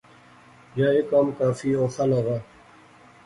یہ ایہ کم کافی اوخا لغا